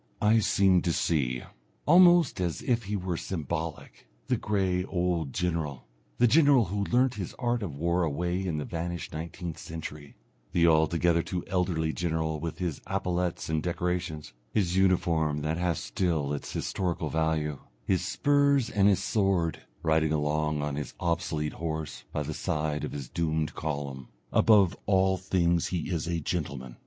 I seem to see, almost as if he were symbolic, the grey old general the general who learnt his art of war away in the vanished nineteenth century, the altogether too elderly general with his epaulettes and decorations, his uniform that has still its historical value, his spurs and his sword riding along on his obsolete horse, by the side of his doomed column. Above all things he is a gentleman.